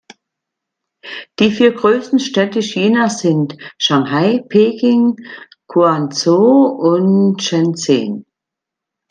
Die vier größten Städte Chinas sind Shanghai, Peking, Guangzhou und Shenzhen.